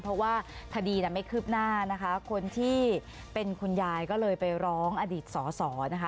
เพราะว่าคดีไม่คืบหน้านะคะคนที่เป็นคุณยายก็เลยไปร้องอดีตสอสอนะคะ